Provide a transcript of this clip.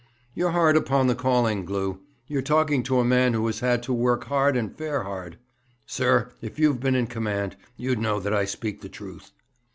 'You're hard upon the calling, Glew. You're talking to a man who has had to work hard and fare hard.' 'Sir, if you'd been in command, you'd know that I speak the truth.'